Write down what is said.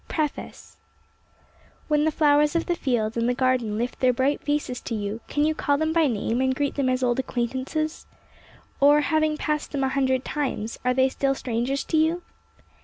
A. PREFACE When the flowers of the field and the gar den lift their bright faces to you, can you call them by name and greet them as old acquaint ances? Or, having passed them a hundred times, are they still strangers to you'?